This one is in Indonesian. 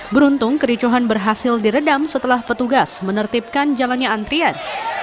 beruntung kericuhan berhasil diredam setelah petugas menertibkan jalannya antrian